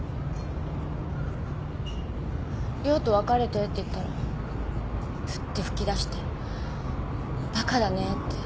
涼と別れてって言ったらプッて吹き出してバカだねって。